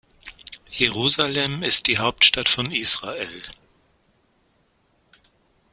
Jerusalem ist die Hauptstadt von Israel.